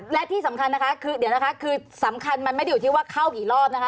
และที่สำคัญนะคะคือเดี๋ยวนะคะคือสำคัญมันไม่ได้อยู่ที่ว่าเข้ากี่รอบนะคะ